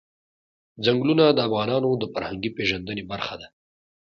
ځنګلونه د افغانانو د فرهنګي پیژندنې برخه ده.